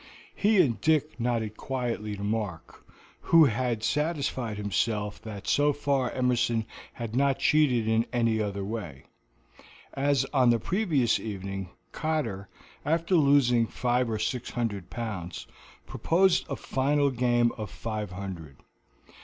He and Dick nodded quietly to Mark, who had satisfied himself that so far Emerson had not cheated in any other way. As on the previous evening, Cotter, after losing five or six hundred pounds, proposed a final game of five hundred.